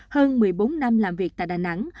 hơn một mươi bốn năm làm việc tại đà nẵng